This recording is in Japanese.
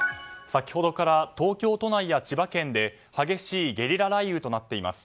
先ほどから東京都内や千葉県で激しいゲリラ雷雨となっています。